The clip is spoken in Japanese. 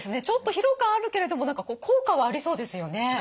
ちょっと疲労感あるけれど何か効果はありそうですよね。